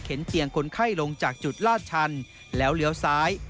เตียงคนไข้ลงจากจุดลาดชันแล้วเลี้ยวซ้าย